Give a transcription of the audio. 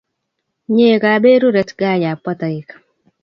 Nyee kaberure gaa ya bwa toek